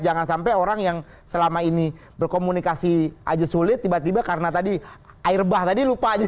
jangan sampai orang yang selama ini berkomunikasi aja sulit tiba tiba karena tadi air bah tadi lupa aja